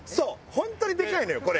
本当にでかいのよこれ。